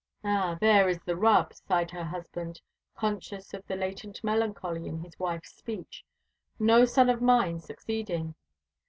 "Ah, there is the rub," sighed her husband, conscious of the latent melancholy in his wife's speech. "'No son of mine succeeding.'